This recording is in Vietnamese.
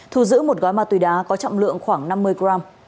thu giữ một gói ma túy đá có trọng lượng khoảng năm mươi gram